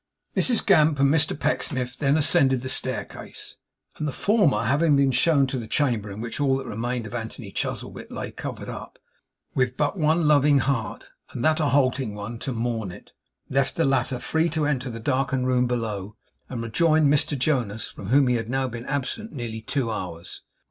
Mrs Gamp and Mr Pecksniff then ascended the staircase; and the former, having been shown to the chamber in which all that remained of Anthony Chuzzlewit lay covered up, with but one loving heart, and that a halting one, to mourn it, left the latter free to enter the darkened room below, and rejoin Mr Jonas, from whom he had now been absent nearly two hours.